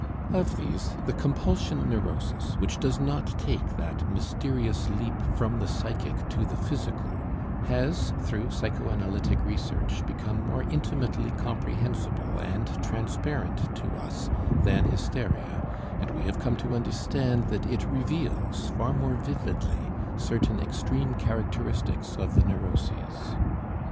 Of these the compulsion neurosis, which does not take that mysterious leap from the psychic to the physical, has through psychoanalytic research become more intimately comprehensible and transparent to us than hysteria, and we have come to understand that it reveals far more vividly certain extreme characteristics of the neuroses.